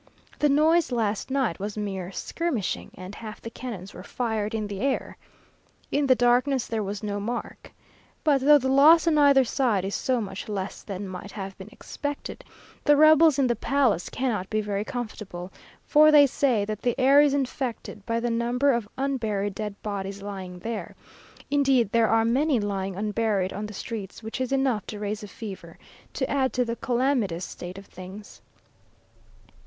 The noise last night was mere skirmishing, and half the cannons were fired in the air. In the darkness there was no mark. But though the loss on either side is so much less than might have been expected, the rebels in the palace cannot be very comfortable, for they say that the air is infected by the number of unburied dead bodies lying there; indeed there are many lying unburied on the streets, which is enough to raise a fever, to add to the calamitous state of things.